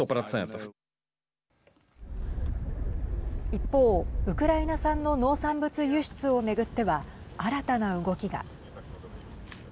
一方、ウクライナ産の農産物輸出を巡っては新たな動きが。